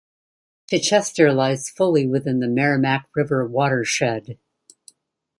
Chichester lies fully within the Merrimack River watershed.